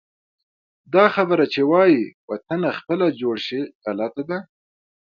دا خبره چې وایي: وطنه خپله جوړ شي، غلطه ده.